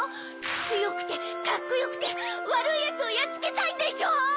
つよくてカッコよくてわるいヤツをやっつけたいんでしょ！